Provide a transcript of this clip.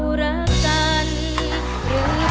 ร้องได้ให้ร้าง